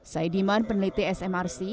saidiman peneliti smrc